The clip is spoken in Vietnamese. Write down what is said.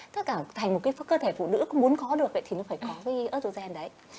tất cả thành một cái cơ thể phụ nữ muốn có được thì nó phải có cái ớtrogen đấy